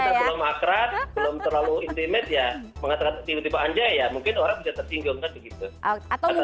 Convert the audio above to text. kalau kita belum akrab belum terlalu intimate ya mengatakan tipe tipe anja ya mungkin orang bisa tertinggal